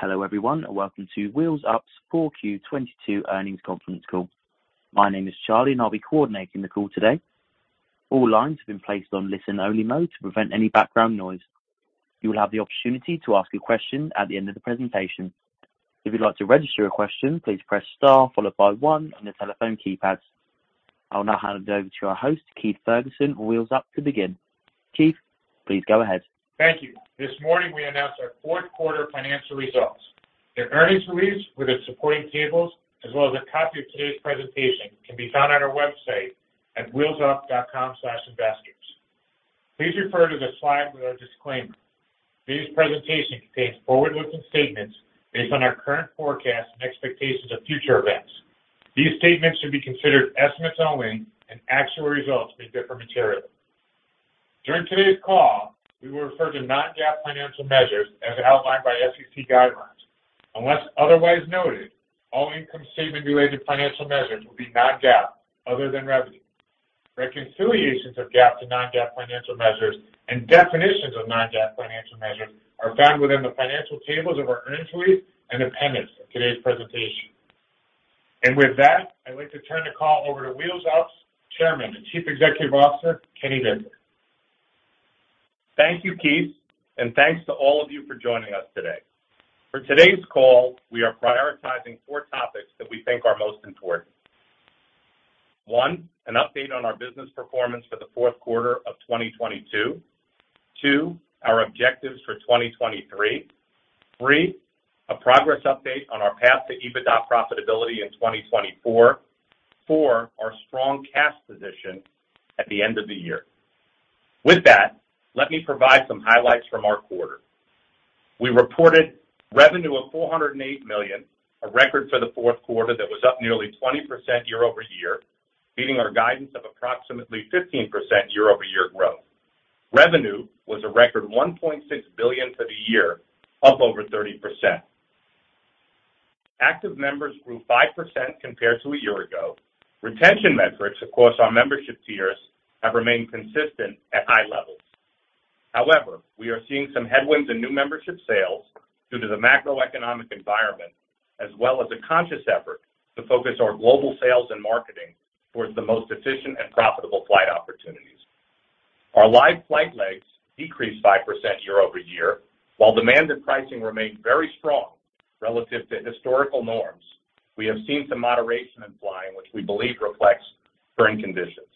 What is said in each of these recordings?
Hello, everyone, and welcome to Wheels Up's 4Q 2022 Earnings Conference Call. My name is Charlie, and I'll be coordinating the call today. All lines have been placed on listen only mode to prevent any background noise. You will have the opportunity to ask a question at the end of the presentation. If you'd like to register a question, please press star followed by one on your telephone keypads. I will now hand it over to our host, Keith Ferguson, Wheels Up to begin. Keith, please go ahead. Thank you. This morning, we announced Our Fourth Quarter Financial Results. The earnings release with its supporting tables, as well as a copy of today's presentation can be found on our website at wheelsup.com/investors. Please refer to the slide with our disclaimer. Today's presentation contains forward-looking statements based on our current forecasts and expectations of future events. These statements should be considered estimates only and actual results may differ materially. During today's call, we will refer to non-GAAP financial measures as outlined by SEC guidelines. Unless otherwise noted, all income statement-related financial measures will be non-GAAP, other than revenue. Reconciliations of GAAP to non-GAAP financial measures and definitions of non-GAAP financial measures are found within the financial tables of our earnings release and appendix of today's presentation. With that, I'd like to turn the call over to Wheels Up's Chairman and Chief Executive Officer, Kenny Dichter. Thank you, Keith, and thanks to all of you for joining us today. For today's call, we are prioritizing four topics that we think are most important. One, an update on our business performance for the fourth quarter of 2022. Two, our objectives for 2023. Three, a progress update on our path to EBITDA profitability in 2024. Four, our strong cash position at the end of the year. With that, let me provide some highlights from our quarter. We reported revenue of $408 million, a record for the fourth quarter that was up nearly 20% year-over-year, beating our guidance of approximately 15% year-over-year growth. Revenue was a record $1.6 billion for the year, up over 30%. Active members grew 5% compared to a year ago. Retention metrics across our membership tiers have remained consistent at high levels. We are seeing some headwinds in new membership sales due to the macroeconomic environment, as well as a conscious effort to focus our global sales and marketing towards the most efficient and profitable flight opportunities. Our live flight legs decreased 5% year-over-year. While demand and pricing remained very strong relative to historical norms, we have seen some moderation in flying, which we believe reflects current conditions.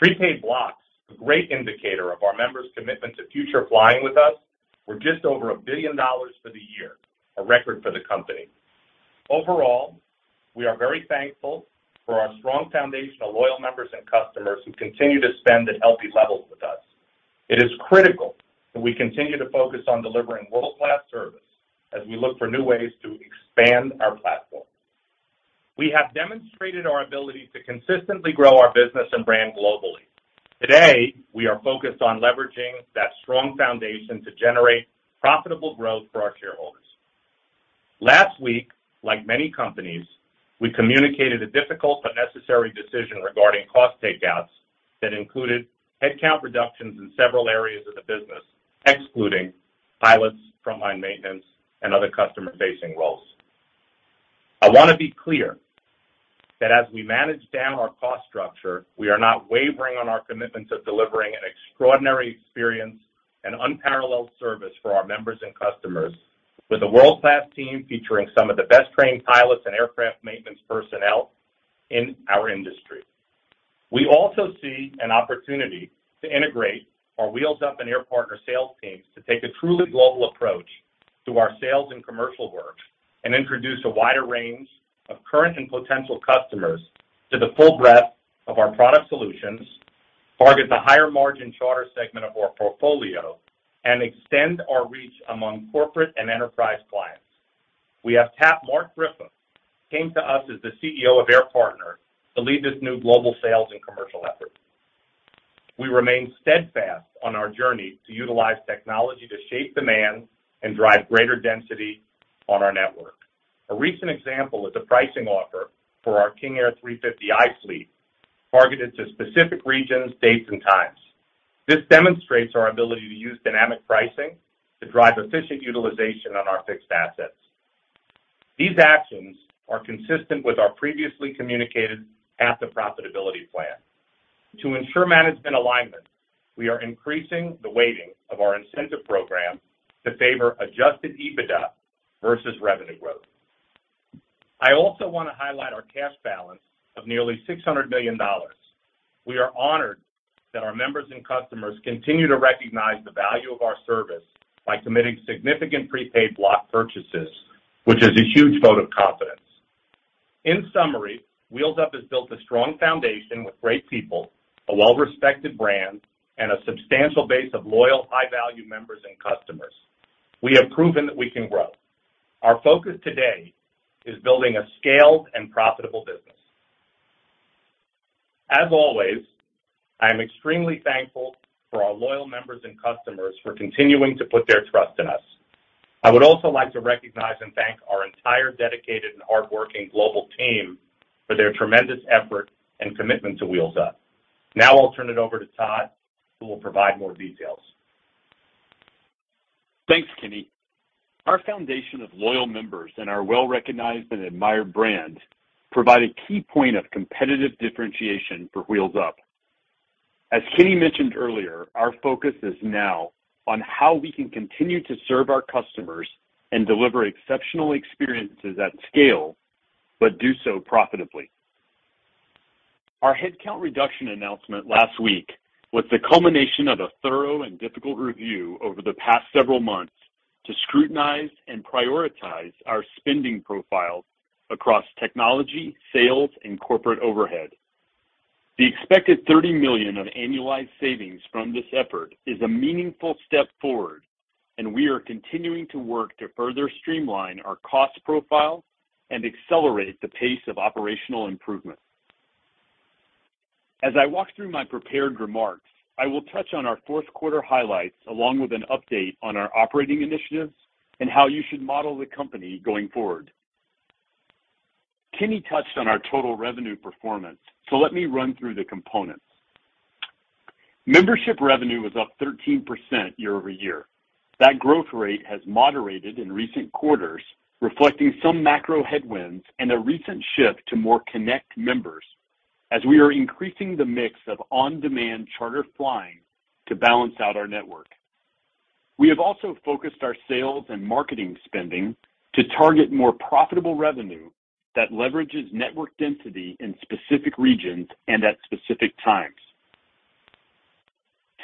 Prepaid Blocks, a great indicator of our members' commitment to future flying with us, were just over $1 billion for the year, a record for the company. We are very thankful for our strong foundation of loyal members and customers who continue to spend at healthy levels with us. It is critical that we continue to focus on delivering world-class service as we look for new ways to expand our platform. We have demonstrated our ability to consistently grow our business and brand globally. Today, we are focused on leveraging that strong foundation to generate profitable growth for our shareholders. Last week, like many companies, we communicated a difficult but necessary decision regarding cost takeouts that included headcount reductions in several areas of the business, excluding pilots, frontline maintenance, and other customer-facing roles. I wanna be clear that as we manage down our cost structure, we are not wavering on our commitment to delivering an extraordinary experience and unparalleled service for our members and customers with a world-class team featuring some of the best-trained pilots and aircraft maintenance personnel in our industry. We also see an opportunity to integrate our Wheels Up and Air Partner sales teams to take a truly global approach to our sales and commercial work and introduce a wider range of current and potential customers to the full breadth of our product solutions, target the higher margin charter segment of our portfolio, and extend our reach among corporate and enterprise clients. We have tapped Mark Briffa, who came to us as the CEO of Air Partner, to lead this new global sales and commercial effort. We remain steadfast on our journey to utilize technology to shape demand and drive greater density on our network. A recent example is a pricing offer for our King Air 350i fleet targeted to specific regions, dates, and times. This demonstrates our ability to use dynamic pricing to drive efficient utilization on our fixed assets. These actions are consistent with our previously communicated path to profitability plan. To ensure management alignment, we are increasing the weighting of our incentive program to favor Adjusted EBITDA versus revenue growth. I also wanna highlight our cash balance of nearly $600 million. We are honored that our members and customers continue to recognize the value of our service by committing significant Prepaid Blocks purchases, which is a huge vote of confidence. In summary, Wheels Up has built a strong foundation with great people, a well-respected brand, and a substantial base of loyal, high-value members and customers. We have proven that we can grow. Our focus today is building a scaled and profitable business. As always, I am extremely thankful for our loyal members and customers for continuing to put their trust in us. I would also like to recognize and thank our entire dedicated and hardworking global team for their tremendous effort and commitment to Wheels Up. Now I'll turn it over to Todd, who will provide more details. Thanks, Kenny. Our foundation of loyal members and our well-recognized and admired brand provide a key point of competitive differentiation for Wheels Up. As Kenny mentioned earlier, our focus is now on how we can continue to serve our customers and deliver exceptional experiences at scale, but do so profitably. Our headcount reduction announcement last week was the culmination of a thorough and difficult review over the past several months to scrutinize and prioritize our spending profile across technology, sales, and corporate overhead. The expected $30 million of annualized savings from this effort is a meaningful step forward. We are continuing to work to further streamline our cost profile and accelerate the pace of operational improvement. As I walk through my prepared remarks, I will touch on our fourth quarter highlights, along with an update on our operating initiatives and how you should model the company going forward. Kenny touched on our total revenue performance. Let me run through the components. Membership revenue was up 13% year-over-year. That growth rate has moderated in recent quarters, reflecting some macro headwinds and a recent shift to more Connect members as we are increasing the mix of on-demand charter flying to balance out our network. We have also focused our sales and marketing spending to target more profitable revenue that leverages network density in specific regions and at specific times.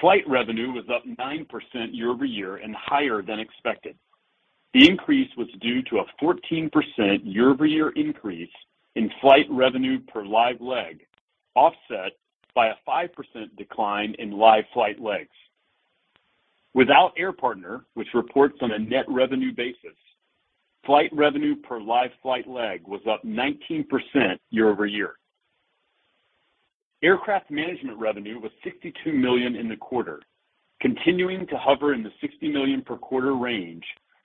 Flight revenue was up 9% year-over-year and higher than expected. The increase was due to a 14% year-over-year increase in flight revenue per live leg, offset by a 5% decline in live flight legs. Without Air Partner, which reports on a net revenue basis, flight revenue per live flight leg was up 19% year-over-year. Aircraft management revenue was $62 million in the quarter, continuing to hover in the $60 million per quarter range,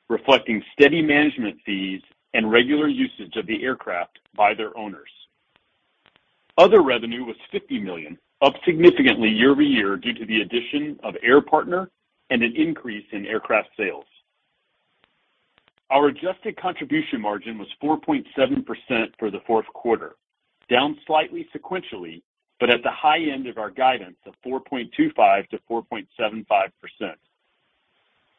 reflecting steady management fees and regular usage of the aircraft by their owners. Other revenue was $50 million, up significantly year-over-year due to the addition of Air Partner and an increase in aircraft sales. Our adjusted contribution margin was 4.7% for the fourth quarter, down slightly sequentially, but at the high end of our guidance of 4.25%-4.75%.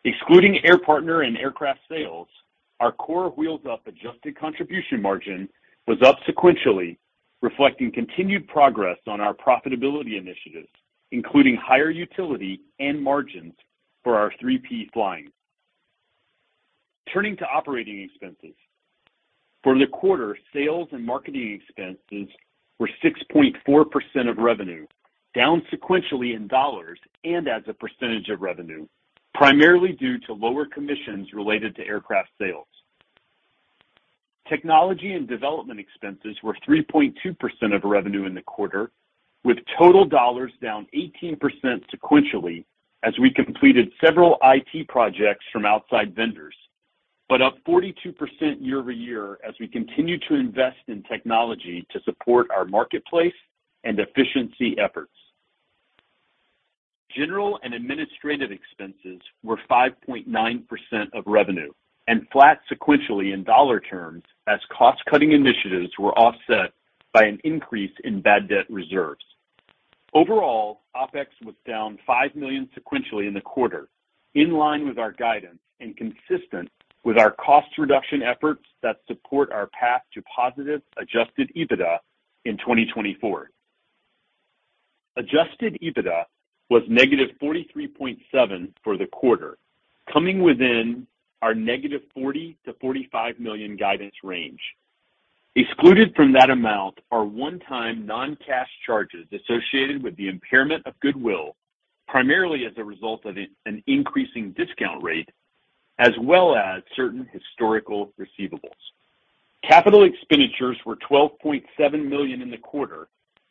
Excluding Air Partner and aircraft sales, our core Wheels Up adjusted contribution margin was up sequentially, reflecting continued progress on our profitability initiatives, including higher utility and margins for our 3P flying. Turning to operating expenses. For the quarter, sales and marketing expenses were 6.4% of revenue, down sequentially in dollars and as a percentage of revenue, primarily due to lower commissions related to aircraft sales. Technology and development expenses were 3.2% of revenue in the quarter, with total dollars down 18% sequentially as we completed several IT projects from outside vendors, but up 42% year-over-year as we continue to invest in technology to support our marketplace and efficiency efforts. General and administrative expenses were 5.9% of revenue and flat sequentially in dollar terms as cost-cutting initiatives were offset by an increase in bad debt reserves. Overall, OpEx was down $5 million sequentially in the quarter, in line with our guidance and consistent with our cost reduction efforts that support our path to positive Adjusted EBITDA in 2024. Adjusted EBITDA was -$43.7 million for the quarter, coming within our -$40 million to -$45 million guidance range. Excluded from that amount are one-time non-cash charges associated with the impairment of goodwill, primarily as a result of an increasing discount rate, as well as certain historical receivables. Capital expenditures were $12.7 million in the quarter,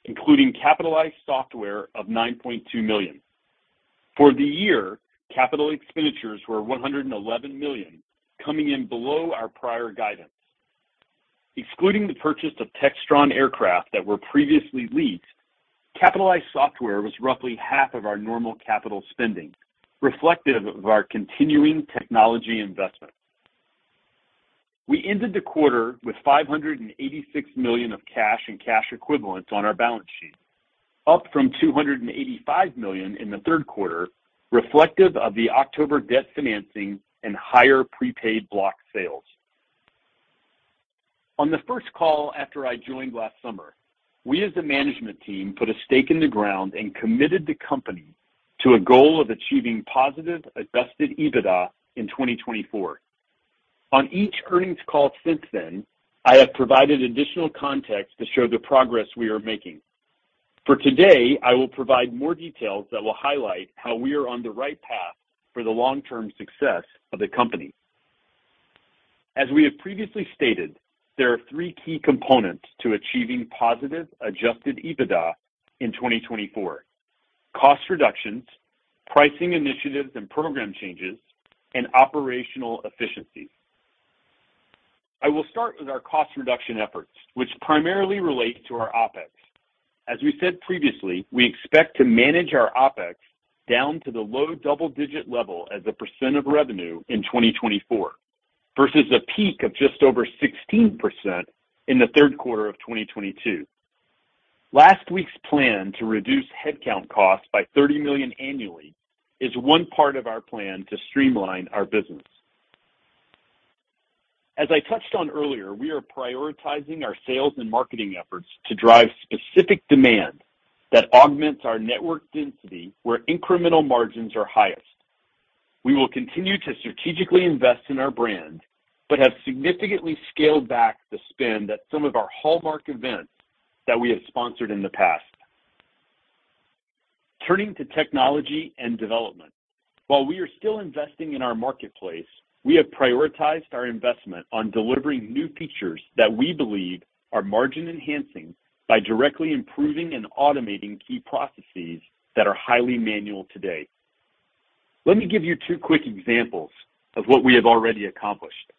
including capitalized software of $9.2 million. For the year, capital expenditures were $111 million, coming in below our prior guidance. Excluding the purchase of Textron aircraft that were previously leased, capitalized software was roughly half of our normal capital spending, reflective of our continuing technology investment. We ended the quarter with $586 million of cash and cash equivalents on our balance sheet, up from $285 million in the third quarter, reflective of the October debt financing and higher prepaid block sales. On the first call after I joined last summer, we, as the management team, put a stake in the ground and committed the company to a goal of achieving positive Adjusted EBITDA in 2024. On each earnings call since then, I have provided additional context to show the progress we are making. For today, I will provide more details that will highlight how we are on the right path for the long-term success of the company. As we have previously stated, there are three key components to achieving positive Adjusted EBITDA in 2024: Cost reductions, pricing initiatives and program changes, and operational efficiencies. I will start with our cost reduction efforts, which primarily relate to our OpEx. As we said previously, we expect to manage our OpEx down to the low double-digit level as a percent of revenue in 2024, versus a peak of just over 16% in the third quarter of 2022. Last week's plan to reduce headcount costs by $30 million annually is one part of our plan to streamline our business. As I touched on earlier, we are prioritizing our sales and marketing efforts to drive specific demand that augments our network density where incremental margins are highest. We will continue to strategically invest in our brand, but have significantly scaled back the spend at some of our hallmark events that we have sponsored in the past. Turning to technology and development. While we are still investing in our marketplace, we have prioritized our investment on delivering new features that we believe are margin-enhancing by directly improving and automating key processes that are highly manual today. Let me give you two quick examples of what we have already accomplished.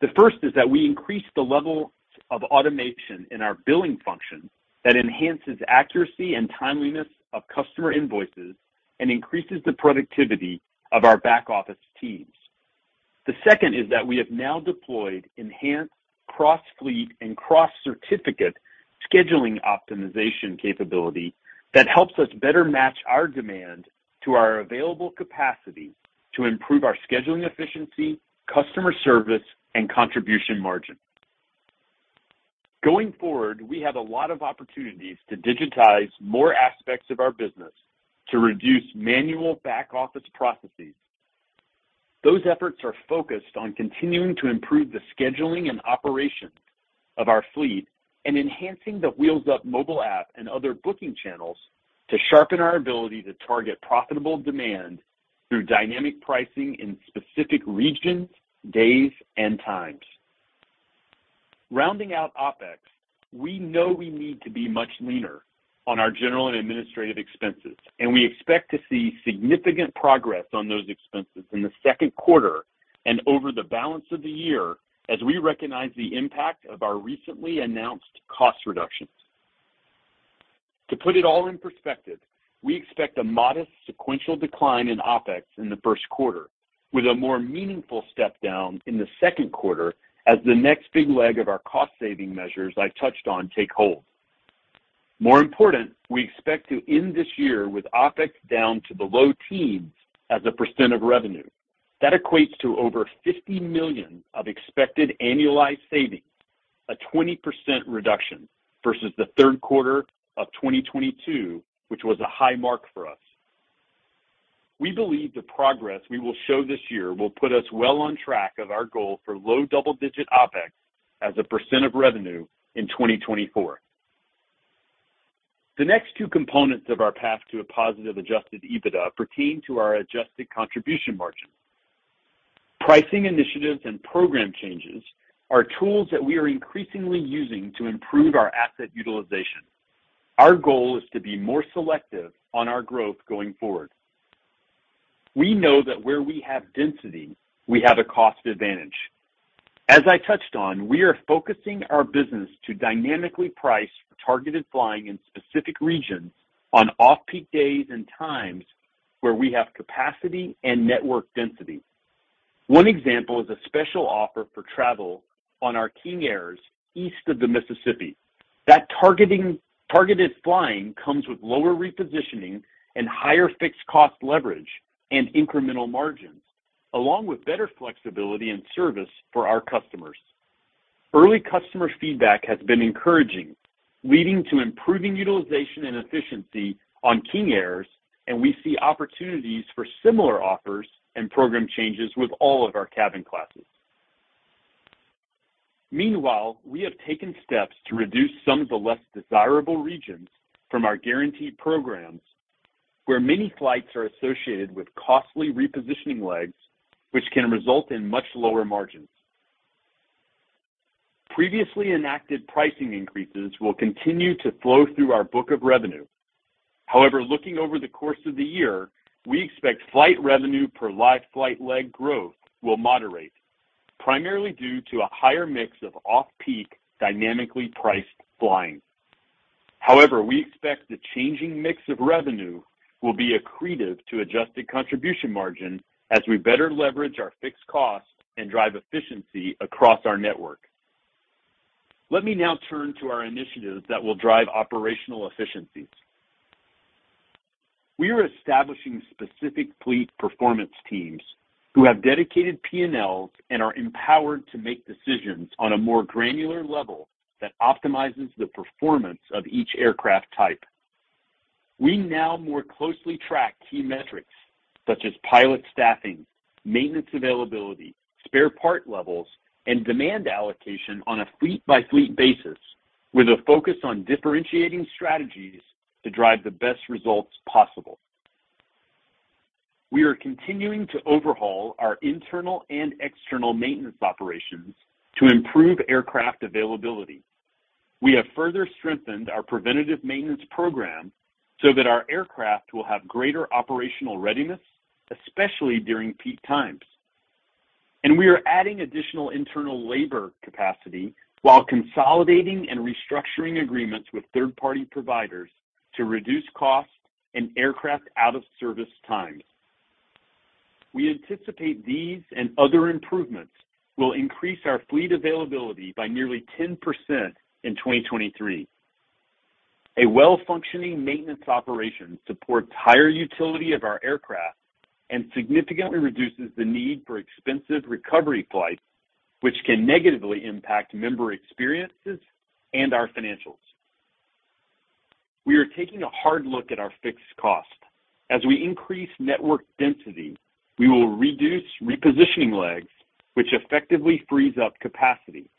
The first is that we increased the level of automation in our billing function that enhances accuracy and timeliness of customer invoices and increases the productivity of our back-office teams. The second is that we have now deployed enhanced cross-fleet and cross-certificate scheduling optimization capability that helps us better match our demand to our available capacity to improve our scheduling efficiency, customer service, and contribution margin. Going forward, we have a lot of opportunities to digitize more aspects of our business to reduce manual back-office processes. Those efforts are focused on continuing to improve the scheduling and operation of our fleet and enhancing the Wheels Up mobile app and other booking channels to sharpen our ability to target profitable demand through dynamic pricing in specific regions, days, and times. Rounding out OpEx, we know we need to be much leaner on our general and administrative expenses, and we expect to see significant progress on those expenses in the second quarter and over the balance of the year as we recognize the impact of our recently announced cost reductions. To put it all in perspective, we expect a modest sequential decline in OpEx in the first quarter, with a more meaningful step down in the second quarter as the next big leg of our cost-saving measures I touched on take hold. More important, we expect to end this year with OpEx down to the low teens as a percent of revenue. That equates to over $50 million of expected annualized savings, a 20% reduction versus the third quarter of 2022, which was a high mark for us. We believe the progress we will show this year will put us well on track of our goal for low double-digit OpEx as a percent of revenue in 2024. The next two components of our path to a positive Adjusted EBITDA pertain to our adjusted contribution margin. Pricing initiatives and program changes are tools that we are increasingly using to improve our asset utilization. Our goal is to be more selective on our growth going forward. We know that where we have density, we have a cost advantage. As I touched on, we are focusing our business to dynamically price targeted flying in specific regions on off-peak days and times where we have capacity and network density. One example is a special offer for travel on our King Airs east of the Mississippi. Targeted flying comes with lower repositioning and higher fixed cost leverage and incremental margins, along with better flexibility and service for our customers. Early customer feedback has been encouraging, leading to improving utilization and efficiency on King Airs. We see opportunities for similar offers and program changes with all of our cabin classes. Meanwhile, we have taken steps to reduce some of the less desirable regions from our guaranteed programs, where many flights are associated with costly repositioning legs, which can result in much lower margins. Previously enacted pricing increases will continue to flow through our book of revenue. However, looking over the course of the year, we expect flight revenue per live flight leg growth will moderate, primarily due to a higher mix of off-peak, dynamically priced flying. However, we expect the changing mix of revenue will be accretive to adjusted contribution margin as we better leverage our fixed costs and drive efficiency across our network. Let me now turn to our initiatives that will drive operational efficiencies. We are establishing specific fleet performance teams who have dedicated P&Ls and are empowered to make decisions on a more granular level that optimizes the performance of each aircraft type. We now more closely track key metrics such as pilot staffing, maintenance availability, spare part levels, and demand allocation on a fleet-by-fleet basis with a focus on differentiating strategies to drive the best results possible. We are continuing to overhaul our internal and external maintenance operations to improve aircraft availability. We have further strengthened our preventative maintenance program so that our aircraft will have greater operational readiness, especially during peak times. We are adding additional internal labor capacity while consolidating and restructuring agreements with third-party providers to reduce costs and aircraft out of service time. We anticipate these and other improvements will increase our fleet availability by nearly 10% in 2023. A well-functioning maintenance operation supports higher utility of our aircraft and significantly reduces the need for expensive recovery flights, which can negatively impact member experiences and our financials. We are taking a hard look at our fixed cost. As we increase network density, we will reduce repositioning legs, which effectively frees up capacity.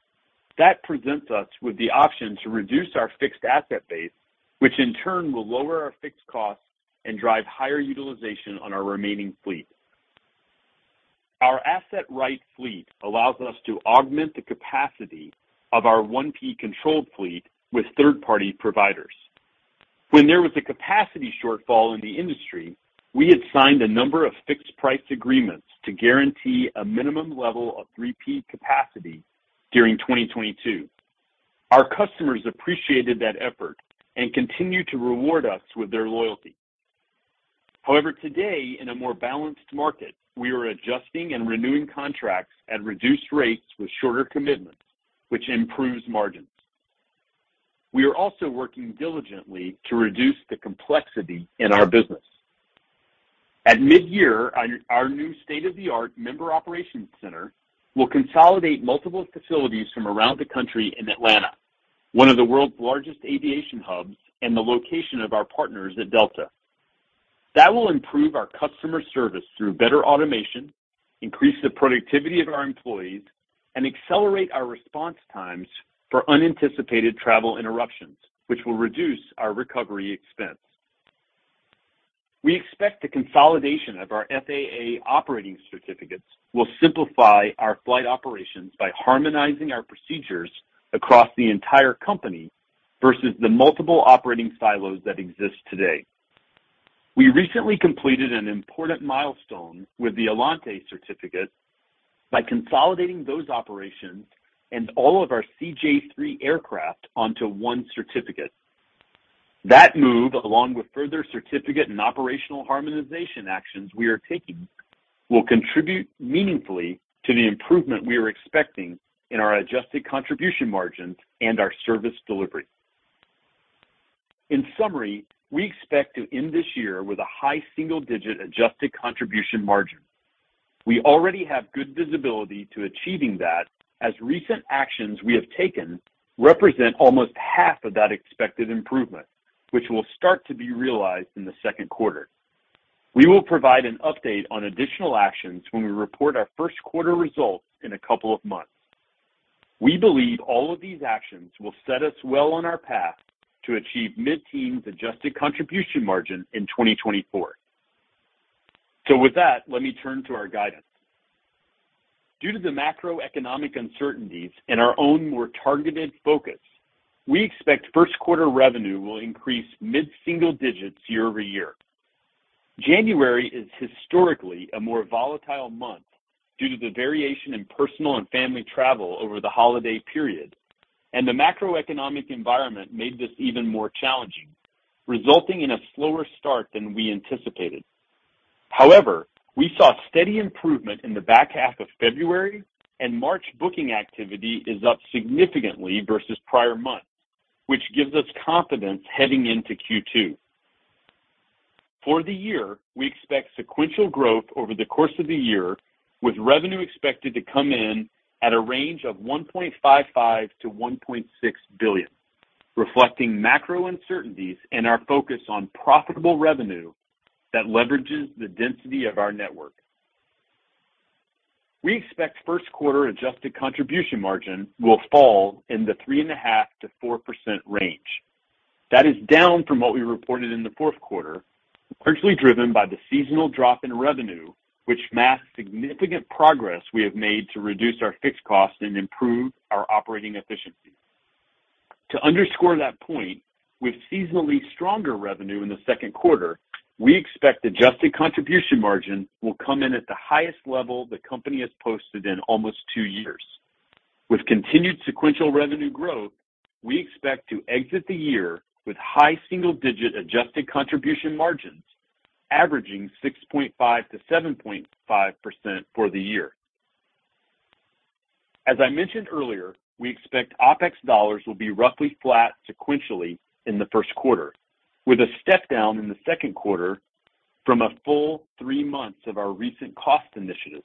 That presents us with the option to reduce our fixed asset base, which in turn will lower our fixed costs and drive higher utilization on our remaining fleet. Our asset-right fleet allows us to augment the capacity of our 1P controlled fleet with third-party providers. When there was a capacity shortfall in the industry, we had signed a number of fixed-price agreements to guarantee a minimum level of 3P capacity during 2022. Our customers appreciated that effort and continue to reward us with their loyalty. Today in a more balanced market, we are adjusting and renewing contracts at reduced rates with shorter commitments, which improves margins. We are also working diligently to reduce the complexity in our business. At midyear, our new state-of-the-art member operations center will consolidate multiple facilities from around the country in Atlanta, one of the world's largest aviation hubs and the location of our partners at Delta. That will improve our customer service through better automation, increase the productivity of our employees, and accelerate our response times for unanticipated travel interruptions, which will reduce our recovery expense. We expect the consolidation of our FAA operating certificates will simplify our flight operations by harmonizing our procedures across the entire company versus the multiple operating silos that exist today. We recently completed an important milestone with the Alante certificate by consolidating those operations and all of our CJ3 aircraft onto one certificate. That move, along with further certificate and operational harmonization actions we are taking, will contribute meaningfully to the improvement we are expecting in our adjusted contribution margins and our service delivery. In summary, we expect to end this year with a high single-digit adjusted contribution margin. We already have good visibility to achieving that, as recent actions we have taken represent almost half of that expected improvement, which will start to be realized in the second quarter. We will provide an update on additional actions when we report our first quarter results in a couple of months. We believe all of these actions will set us well on our path to achieve mid-teens adjusted contribution margin in 2024. With that, let me turn to our guidance. Due to the macroeconomic uncertainties and our own more targeted focus, we expect first quarter revenue will increase mid-single digits year-over-year. January is historically a more volatile month due to the variation in personal and family travel over the holiday period, and the macroeconomic environment made this even more challenging, resulting in a slower start than we anticipated. We saw steady improvement in the back half of February, March booking activity is up significantly versus prior months, which gives us confidence heading into Q2. For the year, we expect sequential growth over the course of the year, with revenue expected to come in at a range of $1.55 billion-$1.6 billion, reflecting macro uncertainties and our focus on profitable revenue that leverages the density of our network. We expect first quarter adjusted contribution margin will fall in the 3.5%-4% range. That is down from what we reported in the fourth quarter, partially driven by the seasonal drop in revenue, which masks significant progress we have made to reduce our fixed cost and improve our operating efficiency. To underscore that point, with seasonally stronger revenue in the second quarter, we expect adjusted contribution margin will come in at the highest level the company has posted in almost two years. With continued sequential revenue growth, we expect to exit the year with high single-digit adjusted contribution margins, averaging 6.5%-7.5% for the year. As I mentioned earlier, we expect OpEx dollars will be roughly flat sequentially in the first quarter, with a step down in the second quarter from a full three months of our recent cost initiatives.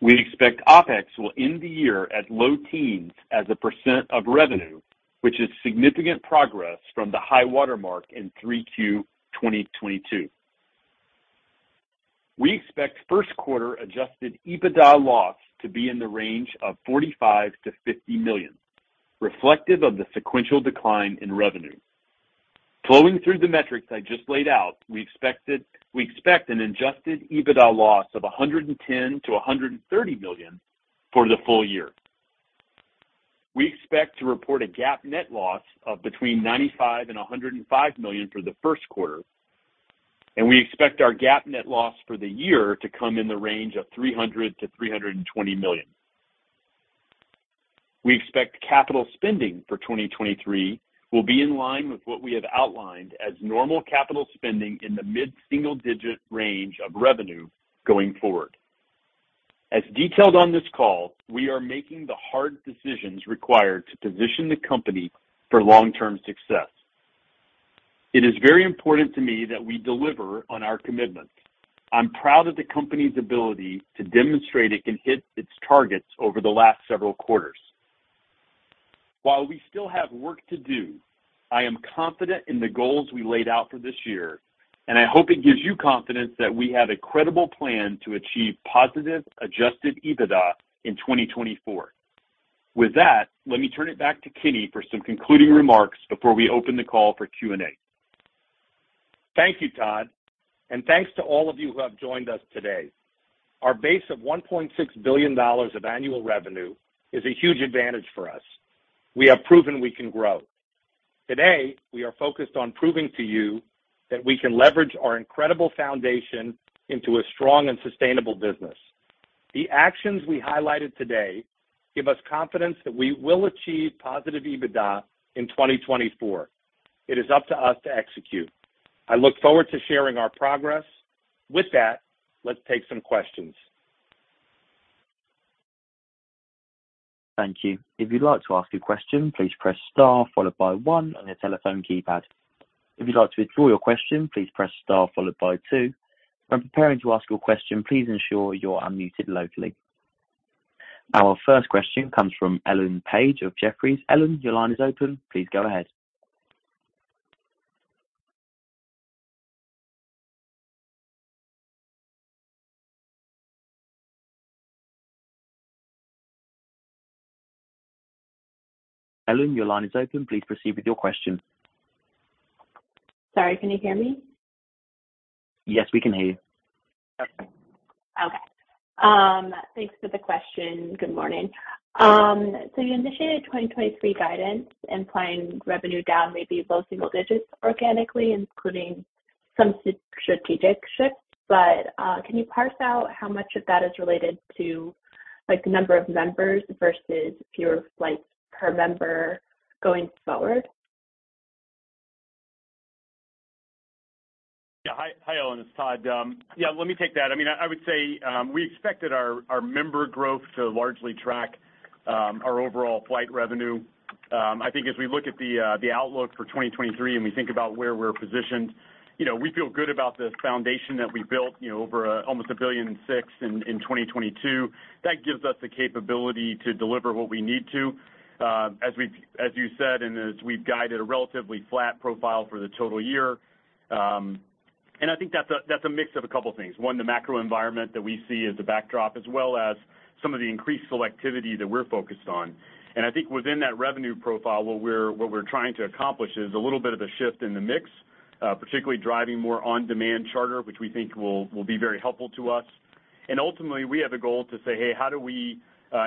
We expect OpEx will end the year at low teens as a percent of revenue, which is significant progress from the high watermark in 3Q 2022. We expect first quarter Adjusted EBITDA loss to be in the range of $45 million-$50 million. Reflective of the sequential decline in revenue. Flowing through the metrics I just laid out, we expect an Adjusted EBITDA loss of $110 million-$130 million for the full year. We expect to report a GAAP net loss of between $95 million and $105 million for the first quarter, and we expect our GAAP net loss for the year to come in the range of $300 million-$320 million. We expect capital spending for 2023 will be in line with what we have outlined as normal capital spending in the mid-single-digit range of revenue going forward. As detailed on this call, we are making the hard decisions required to position the company for long-term success. It is very important to me that we deliver on our commitments. I'm proud of the company's ability to demonstrate it can hit its targets over the last several quarters. While we still have work to do, I am confident in the goals we laid out for this year. I hope it gives you confidence that we have a credible plan to achieve positive Adjusted EBITDA in 2024. With that, let me turn it back to Kenny for some concluding remarks before we open the call for Q&A. Thank you, Todd. Thanks to all of you who have joined us today. Our base of $1.6 billion of annual revenue is a huge advantage for us. We have proven we can grow. Today, we are focused on proving to you that we can leverage our incredible foundation into a strong and sustainable business. The actions we highlighted today give us confidence that we will achieve positive EBITDA in 2024. It is up to us to execute. I look forward to sharing our progress. With that, let's take some questions. Thank you. If you'd like to ask a question, please press star followed by one on your telephone keypad. If you'd like to withdraw your question, please press star followed by two. When preparing to ask your question, please ensure you're unmuted locally. Our first question comes from Ellen Page of Jefferies. Ellen, your line is open. Please go ahead. Ellen, your line is open. Please proceed with your question. Sorry, can you hear me? Yes, we can hear you. Okay. Thanks for the question. Good morning. You initiated 2023 guidance implying revenue down maybe low single digits organically, including some strategic shifts. Can you parse out how much of that is related to, like, the number of members versus pure, like, per member going forward? Hi, Ellen, it's Todd. Let me take that. I mean, I would say, we expected our member growth to largely track our overall flight revenue. I think as we look at the outlook for 2023 and we think about where we're positioned, you know, we feel good about the foundation that we built, you know, over almost $1.6 billion in 2022. That gives us the capability to deliver what we need to, as you said, and as we've guided a relatively flat profile for the total year. I think that's a mix of a couple things. One, the macro environment that we see as a backdrop, as well as some of the increased selectivity that we're focused on. I think within that revenue profile, what we're trying to accomplish is a little bit of a shift in the mix, particularly driving more on-demand charter, which we think will be very helpful to us. Ultimately, we have a goal to say, "Hey, how do we,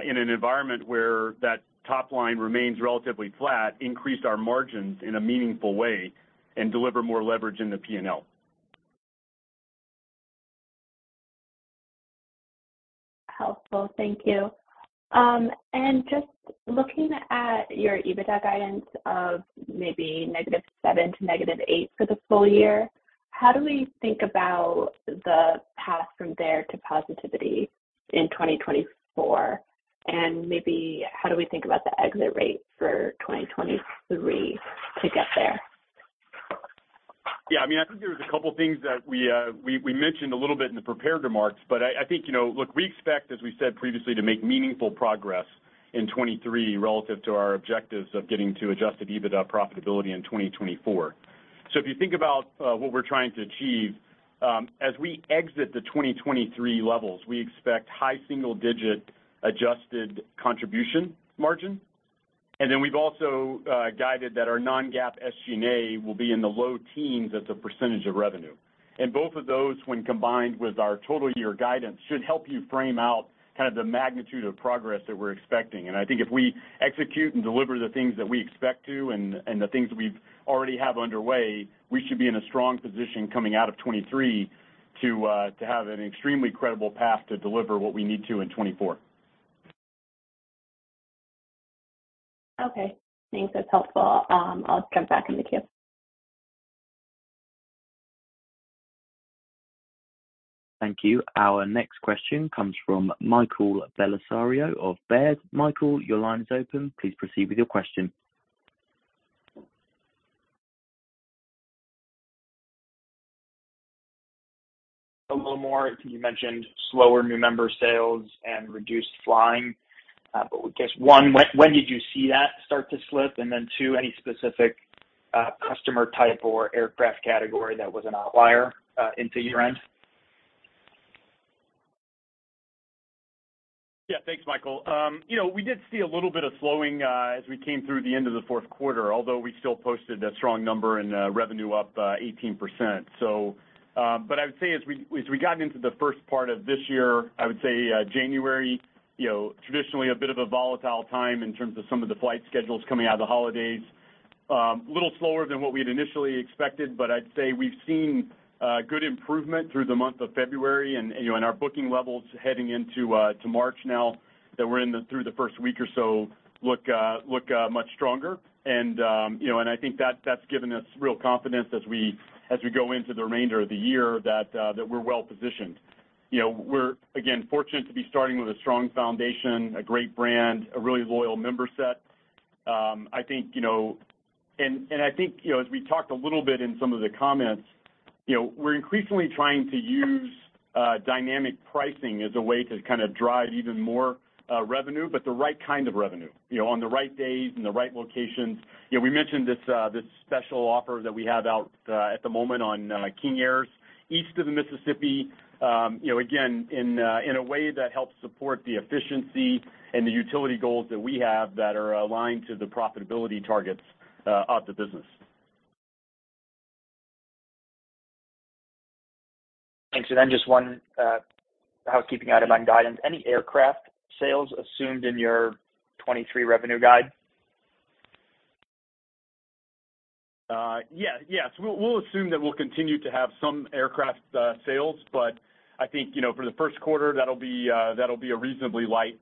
in an environment where that top line remains relatively flat, increase our margins in a meaningful way and deliver more leverage in the P&L? Helpful. Thank you. Just looking at your EBITDA guidance of maybe -$7 million to -$8 million for the full year, how do we think about the path from there to positivity in 2024? Maybe how do we think about the exit rate for 2023 to get there? I mean, I think there's a couple of things that we mentioned a little bit in the prepared remarks. I think, you know, look, we expect, as we said previously, to make meaningful progress in 2023 relative to our objectives of getting to Adjusted EBITDA profitability in 2024. If you think about what we're trying to achieve, as we exit the 2023 levels, we expect high single-digit adjusted contribution margin. Then we've also guided that our non-GAAP SG&A will be in the low teens as a percent of revenue. Both of those, when combined with our total year guidance, should help you frame out kind of the magnitude of progress that we're expecting. I think if we execute and deliver the things that we expect to and the things we've already have underway, we should be in a strong position coming out of 2023 to have an extremely credible path to deliver what we need to in 2024. Okay. Thanks. That's helpful. I'll jump back in the queue. Thank you. Our next question comes from Michael Bellisario of Baird. Michael, your line is open. Please proceed with your question. A little more, you mentioned slower new member sales and reduced flying. One, when did you see that start to slip? Two, any specific customer type or aircraft category that was an outlier into year-end? Yeah. Thanks, Michael. you know, we did see a little bit of slowing as we came through the end of the fourth quarter, although we still posted a strong number in revenue up 18%. I would say as we've gotten into the first part of this year, I would say January, you know, traditionally a bit of a volatile time in terms of some of the flight schedules coming out of the holidays. A little slower than what we had initially expected, but I'd say we've seen good improvement through the month of February and, you know, and our booking levels heading into to March now that we're through the first week or so look much stronger. You know, I think that's given us real confidence as we, as we go into the remainder of the year that we're well-positioned. You know, we're, again, fortunate to be starting with a strong foundation, a great brand, a really loyal member set. I think, you know, as we talked a little bit in some of the comments, you know, we're increasingly trying to use dynamic pricing as a way to kind of drive even more revenue, but the right kind of revenue, you know, on the right days, in the right locations. You know, we mentioned this special offer that we have out, at the moment on, King Airs east of the Mississippi, you know, again, in a way that helps support the efficiency and the utility goals that we have that are aligned to the profitability targets, of the business. Thanks. Just one housekeeping item on guidance. Any aircraft sales assumed in your 2023 revenue guide? Yes. We'll, we'll assume that we'll continue to have some aircraft sales, but I think, you know, for the first quarter, that'll be a reasonably light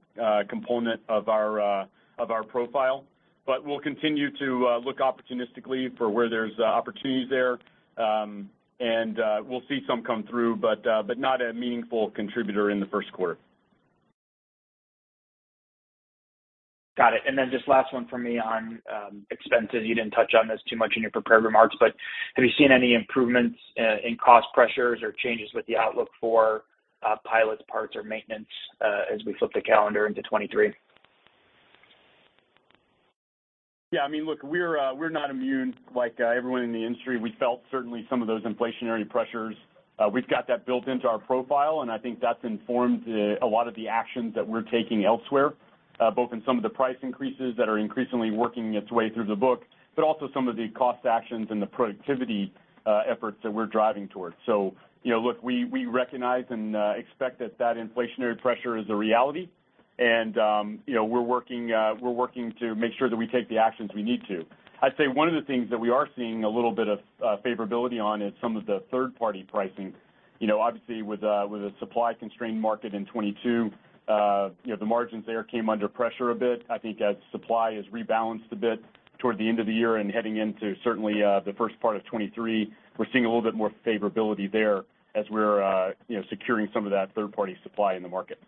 component of our of our profile. We'll continue to look opportunistically for where there's opportunities there. And we'll see some come through, but not a meaningful contributor in the first quarter. Got it. Just last one for me on expenses. You didn't touch on this too much in your prepared remarks, but have you seen any improvements in cost pressures or changes with the outlook for pilots, parts, or maintenance, as we flip the calendar into 2023? Yeah. I mean, look, we're not immune like, everyone in the industry. We felt certainly some of those inflationary pressures. We've got that built into our profile, and I think that's informed a lot of the actions that we're taking elsewhere, both in some of the price increases that are increasingly working its way through the book, but also some of the cost actions and the productivity, efforts that we're driving towards. You know, look, we recognize and expect that inflationary pressure is a reality. You know, we're working to make sure that we take the actions we need to. I'd say one of the things that we are seeing a little bit of favorability on is some of the third-party pricing. You know, obviously with a supply-constrained market in 2022, you know, the margins there came under pressure a bit. I think as supply has rebalanced a bit toward the end of the year and heading into certainly, the first part of 2023, we're seeing a little bit more favorability there as we're, you know, securing some of that third-party supply in the market.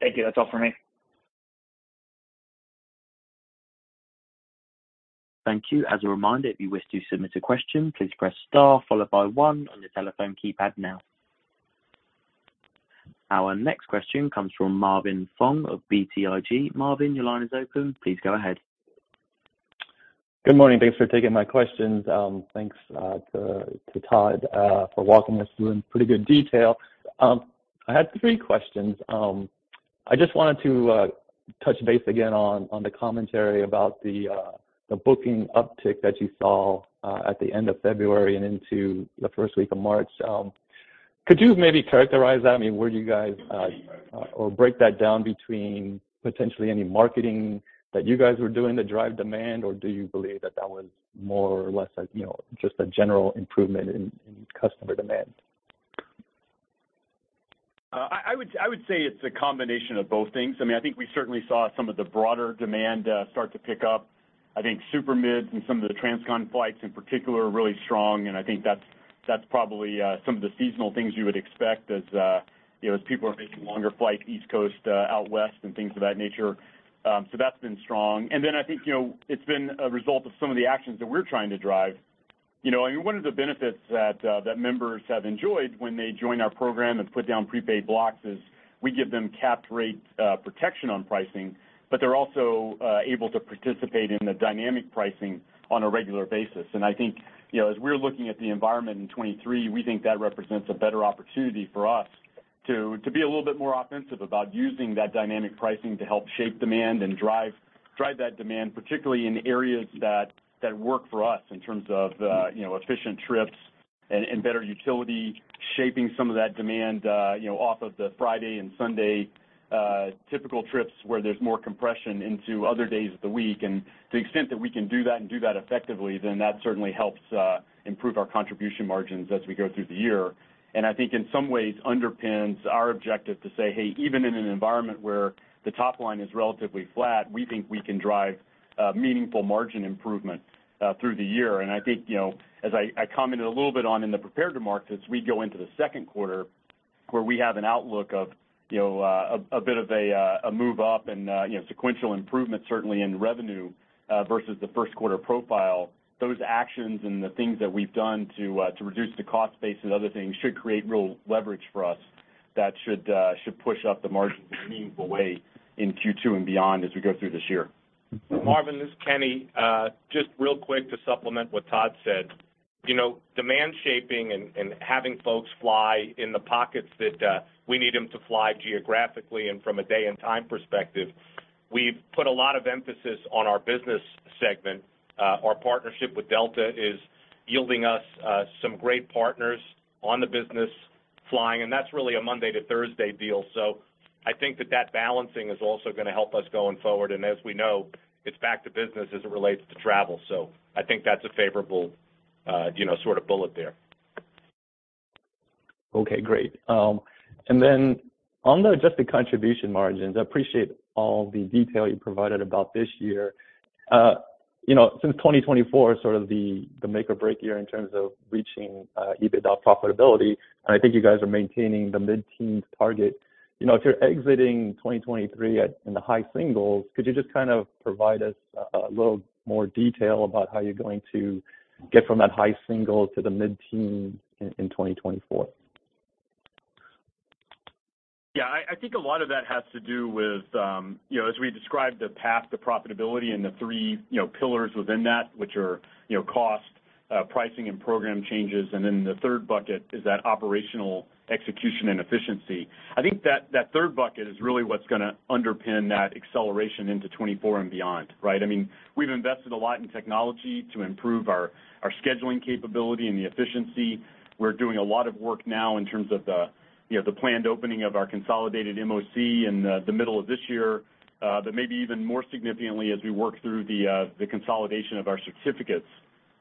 Thank you. That's all for me. Thank you. As a reminder, if you wish to submit a question, please press star followed by one on your telephone keypad now. Our next question comes from Marvin Fong of BTIG. Marvin, your line is open. Please go ahead. Good morning. Thanks for taking my questions. Thanks to Todd for walking us through in pretty good detail. I had three questions. I just wanted to touch base again on the commentary about the booking uptick that you saw at the end of February and into the first week of March. Could you maybe characterize that? I mean, were you guys or break that down between potentially any marketing that you guys were doing to drive demand? Or do you believe that that was more or less a, you know, just a general improvement in customer demand? I would say it's a combination of both things. I mean, I think we certainly saw some of the broader demand start to pick up. I think super mid and some of the transcon flights in particular are really strong, and I think that's probably some of the seasonal things you would expect as, you know, as people are making longer flights East Coast, out West and things of that nature. That's been strong. I think, you know, it's been a result of some of the actions that we're trying to drive. You know, one of the benefits that members have enjoyed when they join our program and put down Prepaid Blocks is we give them capped rates, protection on pricing, but they're also able to participate in the dynamic pricing on a regular basis. I think, you know, as we're looking at the environment in 2023, we think that represents a better opportunity for us to be a little bit more offensive about using that dynamic pricing to help shape demand and drive that demand, particularly in areas that work for us in terms of, you know, efficient trips and better utility, shaping some of that demand, you know, off of the Friday and Sunday, typical trips where there's more compression into other days of the week. To the extent that we can do that and do that effectively, then that certainly helps improve our contribution margins as we go through the year. I think in some ways underpins our objective to say, "Hey, even in an environment where the top line is relatively flat, we think we can drive meaningful margin improvement through the year." I think, you know, as I commented a little bit on in the prepared remarks, as we go into the second quarter where we have an outlook of, you know, a bit of a move up and, you know, sequential improvement certainly in revenue versus the first quarter profile, those actions and the things that we've done to reduce the cost base and other things should create real leverage for us that should push up the margin in a meaningful way in Q2 and beyond as we go through this year. Marvin, this is Kenny. Just real quick to supplement what Todd said. You know, demand shaping and, having folks fly in the pockets that we need them to fly geographically and from a day and time perspective, we've put a lot of emphasis on our business segment. Our partnership with Delta is yielding us, some great partners on the business flying, that's really a Monday to Thursday deal. I think that that balancing is also gonna help us going forward. As we know, it's back to business as it relates to travel. I think that's a favorable, you know, sort of bullet there. Okay, great. On the adjusted contribution margins, I appreciate all the detail you provided about this year. You know, since 2024 is sort of the make or break year in terms of reaching EBITDA profitability, and I think you guys are maintaining the mid-teens target. You know, if you're exiting 2023 in the high singles, could you just kind of provide us a little more detail about how you're going to get from that high single to the mid-teen in 2024? Yeah. I think a lot of that has to do with, you know, as we described the path to profitability and the three, you know, pillars within that, which are, you know, cost, pricing and program changes, and then the third bucket is that operational execution and efficiency. I think that third bucket is really what's gonna underpin that acceleration into 2024 and beyond, right? I mean, we've invested a lot in technology to improve our scheduling capability and the efficiency. We're doing a lot of work now in terms of the, you know, the planned opening of our consolidated MOC in the middle of this year, that may be even more significantly as we work through the consolidation of our certificates,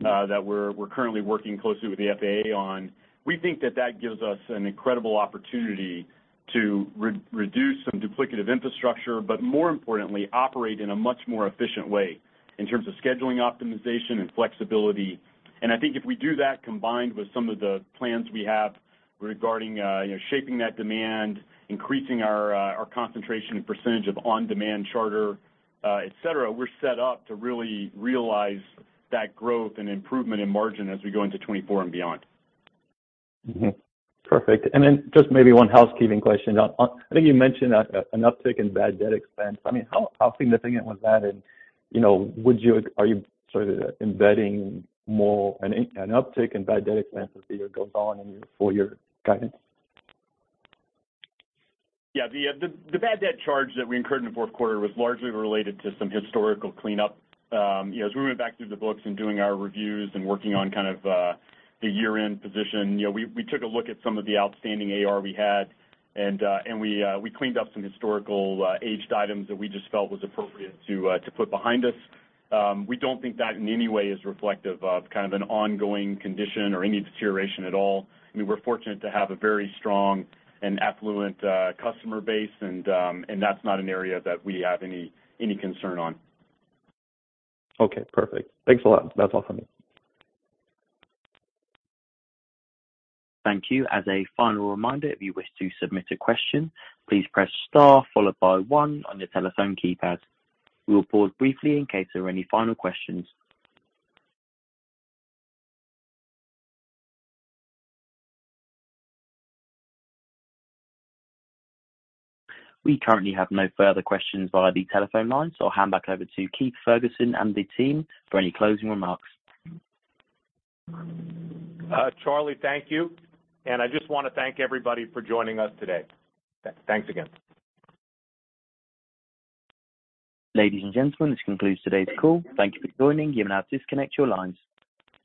that we're currently working closely with the FAA on. We think that that gives us an incredible opportunity to reduce some duplicative infrastructure, but more importantly, operate in a much more efficient way in terms of scheduling optimization and flexibility. I think if we do that combined with some of the plans we have regarding, you know, shaping that demand, increasing our concentration percentage of on-demand charter, et cetera, we're set up to really realize that growth and improvement in margin as we go into 2024 and beyond. Perfect. Then just maybe one housekeeping question. I think you mentioned an uptick in bad debt expense. I mean, how significant was that? You know, are you sort of embedding more an uptick in bad debt expense as the year goes on in your full-year guidance? The bad debt charge that we incurred in the fourth quarter was largely related to some historical cleanup. You know, as we went back through the books and doing our reviews and working on kind of the year-end position, you know, we took a look at some of the outstanding AR we had, we cleaned up some historical aged items that we just felt was appropriate to put behind us. We don't think that in any way is reflective of kind of an ongoing condition or any deterioration at all. I mean, we're fortunate to have a very strong and affluent customer base, that's not an area that we have any concern on. Okay, perfect. Thanks a lot. That's all for me. Thank you. As a final reminder, if you wish to submit a question, please press star followed by one on your telephone keypad. We will pause briefly in case there are any final questions. We currently have no further questions via the telephone lines. I'll hand back over to Keith Ferguson and the team for any closing remarks. Charlie, thank you. I just wanna thank everybody for joining us today. Thanks again. Ladies and gentlemen, this concludes today's call. Thank you for joining. You may now disconnect your lines.